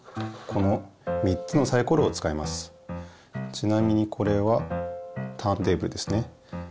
ちなみにこれはターンテーブルですね。